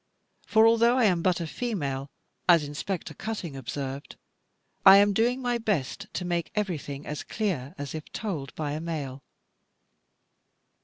For although I am but a "female," as Inspector Cutting observed, I am doing my best to make everything as clear as if told by a male.